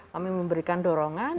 kami memberikan dorongan